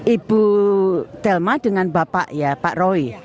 ibu delma dengan bapak ya pak roy